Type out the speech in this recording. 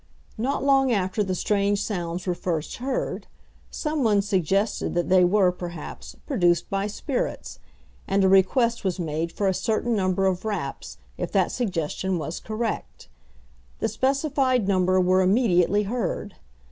Not long after the strange sounds were first heard, some one suggested that they were, perhaps, produced by spirits; and a request was made for a certain number of raps, if that suggestion was correct. The specified number were immediately heard.